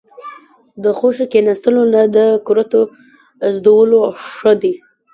ـ د خوشې کېناستو نه د کرتو زدولو ښه دي.